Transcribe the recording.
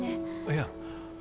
いや